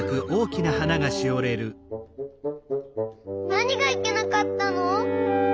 なにがいけなかったの！？